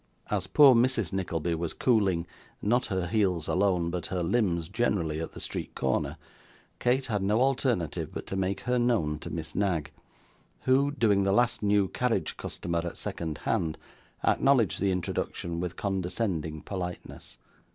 As poor Mrs. Nickleby was cooling not her heels alone, but her limbs generally at the street corner, Kate had no alternative but to make her known to Miss Knag, who, doing the last new carriage customer at second hand, acknowledged the introduction with condescending politeness.